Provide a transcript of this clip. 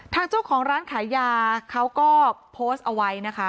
ทางเจ้าของร้านขายยาเขาก็โพสต์เอาไว้นะคะ